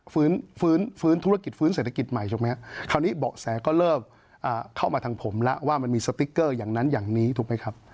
ฟื้นธุรกิจฟื้นเศรษฐกิจใหม่ถูกไหมครับ